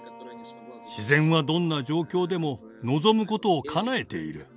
自然はどんな状況でも望むことをかなえている。